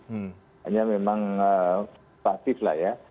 hanya memang pasif lah ya